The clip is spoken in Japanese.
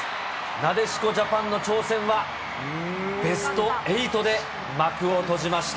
なでしこジャパンの挑戦はベスト８で幕を閉じました。